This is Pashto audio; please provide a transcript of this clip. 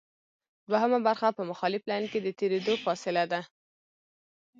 دوهمه برخه په مخالف لین کې د تېرېدو فاصله ده